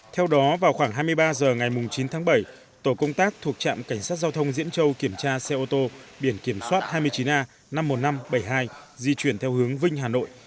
theo đó vào khoảng hai mươi ba h ngày chín tháng bảy tổ công tác thuộc trạm cảnh sát giao thông diễn châu kiểm tra xe ô tô biển kiểm soát hai mươi chín a năm mươi một nghìn năm trăm bảy mươi hai di chuyển theo hướng vinh hà nội